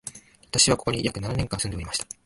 私は、ここに約七年間住んでおりました